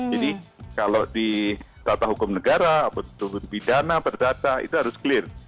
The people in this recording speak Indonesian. jadi kalau di tata hukum negara atau di bidana berdata itu harus clear